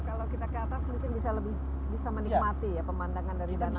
kalau kita ke atas mungkin bisa lebih bisa menikmati ya pemandangan dari danau